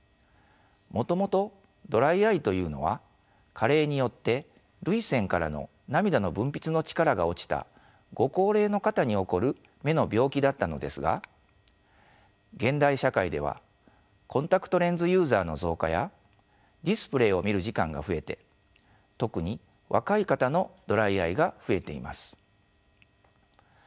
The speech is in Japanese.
もともとドライアイというのは加齢によって涙腺からの涙の分泌の力が落ちたご高齢の方に起こる目の病気だったのですが現代社会ではコンタクトレンズユーザーの増加やディスプレイを見る時間が増えて特に若い方のドライアイが増えています。